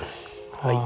はい。